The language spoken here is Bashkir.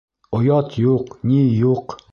Оят юҡ, ни юҡ.